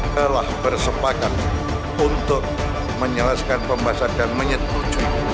telah bersepakat untuk menyalaskan pembasar dan menyetujui